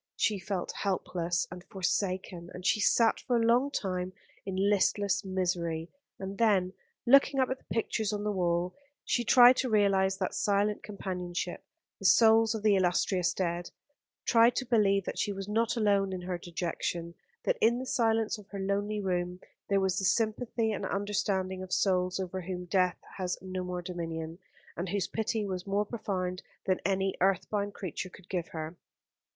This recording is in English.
She felt helpless and forsaken, and she sat for a long time in listless misery; and then, looking up at the pictures on the wall, she tried to realise that silent companionship, the souls of the illustrious dead tried to believe that she was not alone in her dejection, that in the silence of her lonely room there was the sympathy and understanding of souls over whom death has no more dominion, and whose pity was more profound than any earth bound creature could give her.